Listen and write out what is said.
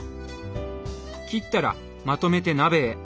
切ったらまとめて鍋へ。